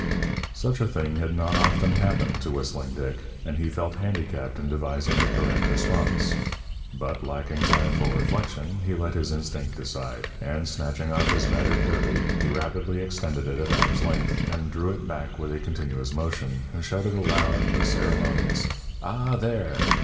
Such a thing had not often happened to Whistling Dick, and he felt handicapped in devising the correct response. But lacking time for reflection, he let his instinct decide, and snatching off his battered derby, he rapidly extended it at arm's length, and drew it back with a continuous motion, and shouted a loud, but ceremonious, "Ah, there!"